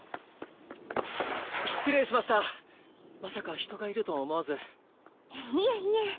失礼しましたまさか人がいるとは思わずいえいえ